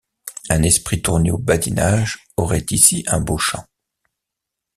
Un esprit tourné au badinage aurait ici un beau champ.